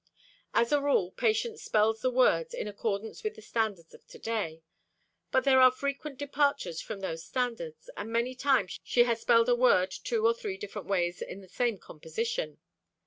As a rule, Patience spells the words in accordance with the standards of today, but there are frequent departures from those standards, and many times she has spelled a word two or three different ways in the same composition.